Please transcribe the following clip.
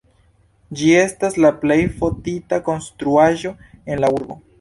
Ĝi estas la plej fotita konstruaĵo en la urbo.